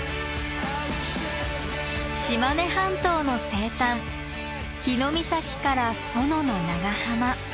島根半島の西端日御碕から薗の長浜。